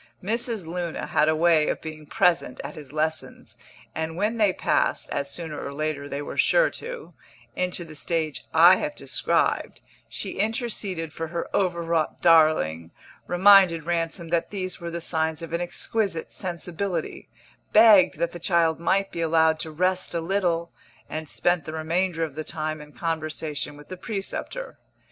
Mrs. Luna had a way of being present at his lessons, and when they passed, as sooner or later they were sure to, into the stage I have described, she interceded for her overwrought darling, reminded Ransom that these were the signs of an exquisite sensibility, begged that the child might be allowed to rest a little, and spent the remainder of the time in conversation with the preceptor.